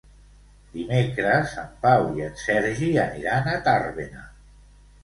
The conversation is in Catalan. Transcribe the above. Dimecres en Pau i en Sergi aniran a Tàrbena.